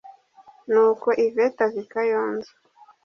nuko yvette ava i kayonza,